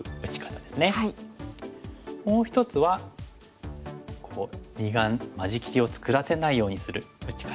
もう１つは二眼間仕切りを作らせないようにする打ち方。